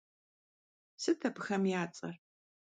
Sıt abıxem ya ts'er?